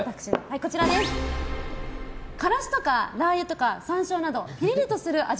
からしとかラー油とか山椒などピリリとする味